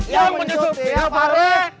yang menyusupi ya fare